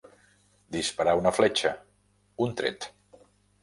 Disparar una fletxa, un tret.